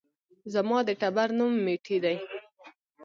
زما د ټبر نوم ميټى دى